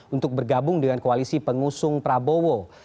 untuk bergabung dengan koalisi pengusung prabowo